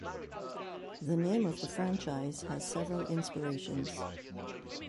The name of the franchise has several inspirations.